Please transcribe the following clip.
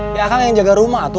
ya akang yang jaga rumah tuh